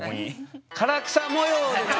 唐草模様で。